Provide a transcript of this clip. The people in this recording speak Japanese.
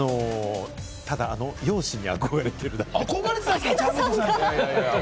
ただあの容姿に憧れているんです。